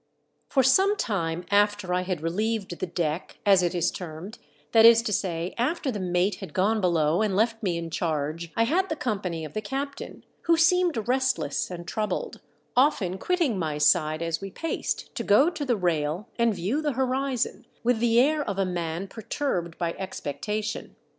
For some time after I had relieved the deck, as it is termed, that is to say, after the mate had gone below and left me in charge, I had the company of the captain, who seemed rest less and troubled, often quitting my side as we paced, to go to the rail and view the horizon, with the air of a man perturbed by expectation.